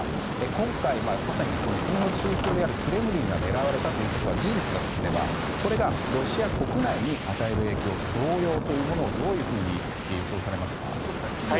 今回、まさに国の中枢であるクレムリンが狙われたということが事実だとすればこれがロシア国内に与える影響動揺というものをどういうふうに予想されますか。